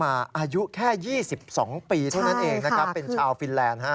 อายุแค่๒๒ปีเท่านั้นเองนะครับเป็นชาวฟินแลนด์